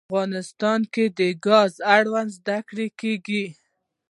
افغانستان کې د ګاز په اړه زده کړه کېږي.